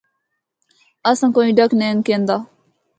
اس آں کوئ ڈک نینھ کندا۔